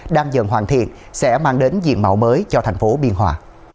đang dần hoàn thiện sẽ mang đến diện mạo mới cho tp biên hòa